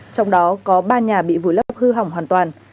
trong đó có ba nhà bị vùi lấp hư hỏng hoàn toàn